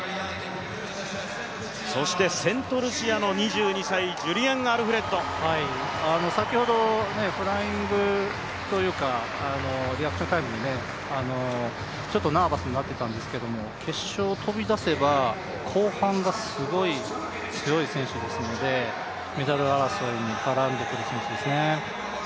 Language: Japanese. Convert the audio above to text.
そしてセントルシアの２２歳、先ほどフライングというか、リアクションタイムでちょっとナーバスになっていたんすけど、決勝、飛び出せば後半がすごい強い選手ですので、メダル争いに絡んでくる選手ですね。